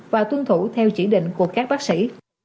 và tuân thủ theo chỉ định của các bác sĩ